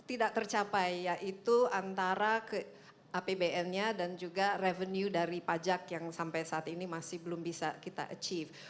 tidak tercapai yaitu antara apbn nya dan juga revenue dari pajak yang sampai saat ini masih belum bisa kita achieve